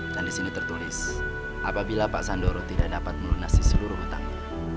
dan di sini tertulis apabila pak sandoro tidak dapat melunasi seluruh hutangnya